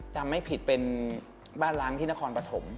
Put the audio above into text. จำไม่ผิดเป็นบ้านล้างที่นครปฐม